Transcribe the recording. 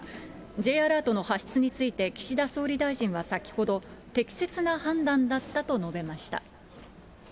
Ｊアラートの発出について、岸田総理大臣は先ほど、適切な判断だったと述べました。